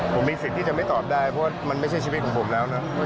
ผมมีสิทธิ์ที่จะไม่ตอบได้เพราะว่ามันไม่ใช่ชีวิตของผมแล้วนะ